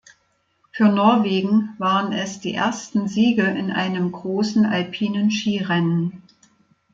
Für Norwegen waren es die ersten Siege in einem großen alpinen Skirennen.